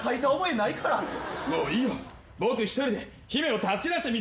「もういいよ僕１人で姫を助け出してみせるから」